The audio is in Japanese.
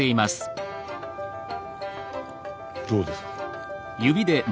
どうですか？